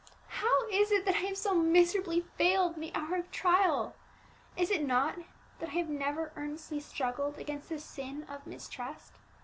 How is it that I have so miserably failed in the hour of trial? Is it not that I have never earnestly struggled against the sin of Mistrust?